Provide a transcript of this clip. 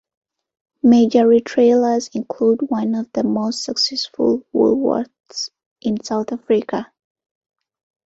Major retailers include one of the most successful Woolworths in South Africa.